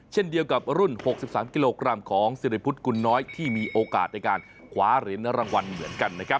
เช่นเดียวกับรุ่น๖๓กิโลกรัมของสิริพุทธกุลน้อยที่มีโอกาสในการคว้าเหรียญรางวัลเหมือนกันนะครับ